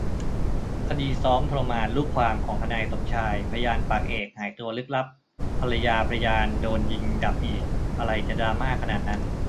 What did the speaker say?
คดีนซ้อมทรมานลูกความของทนายสมชาย พยานปากเอกหายตัวลึกลับ ภรรยาพยานโดนยิงดับอีก อะไรจะดราม่าขนาดนั้น